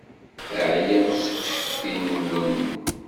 Ɛyiɣ seg ucetki-nwen.